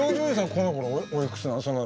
このころおいくつなの？